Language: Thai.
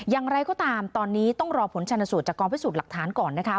อย่างไรก็ตามตอนนี้ต้องรอผลชนสูตรจากกองพิสูจน์หลักฐานก่อนนะคะ